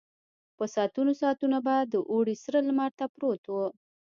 په ساعتونو ساعتونو به د اوړي سره لمر ته پروت و.